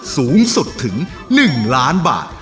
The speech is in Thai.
สูงสุดถึง๑ล้านบาท